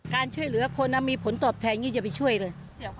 การช่วยเหลือคนมีผลตอบแทนอย่างนี้จะไปช่วยเลย